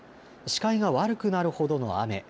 視界が悪くなるほどの雨。